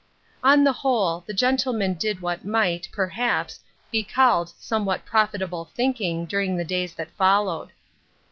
On the whole, the gentleman did what might, perhaps, be called somewhat profitable thinking during the days that followed.